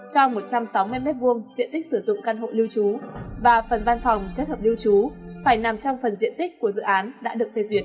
cho một trăm sáu mươi m hai diện tích sử dụng căn hộ lưu trú và phần văn phòng kết hợp lưu trú phải nằm trong phần diện tích của dự án đã được phê duyệt